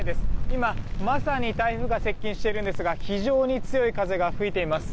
今、まさに台風が接近しているんですが非常に強い風が吹いています。